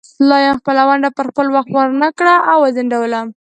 سلایم خپله ونډه پر خپل وخت ورنکړه او وځنډوله.